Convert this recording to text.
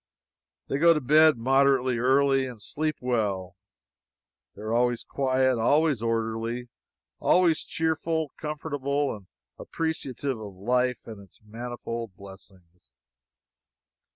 They go to bed moderately early, and sleep well. They are always quiet, always orderly, always cheerful, comfortable, and appreciative of life and its manifold blessings.